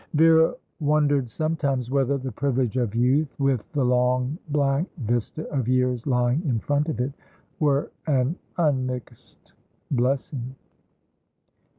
Vera wondered sometimes whether the privilege of youth, with the long blank vista of years lying in front of it, were an unmixed blessing.